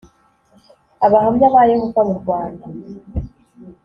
Abahamya ba Yehova mu rwanda